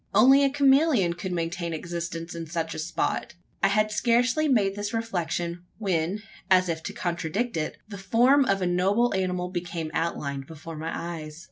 Only a chameleon could maintain existence in such a spot! I had scarcely made this reflection, when, as if to contradict it, the form of a noble animal became outlined before my eyes.